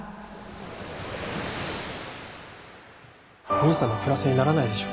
兄さんのプラスにならないでしょ。